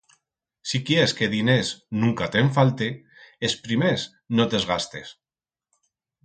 Si quiers que diners nunca te'n falte, es primers no te's gastes